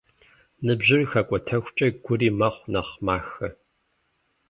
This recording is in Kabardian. Ныбжьыр хэкӏуэтэхукӏэ, гури мэхъу нэхъ махэ.